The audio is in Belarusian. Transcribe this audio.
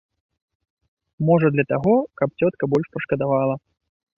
Можа, для таго, каб цётка больш пашкадавала.